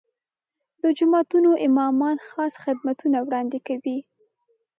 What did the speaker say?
د جوماتونو امامان خاص خدمتونه وړاندې کوي.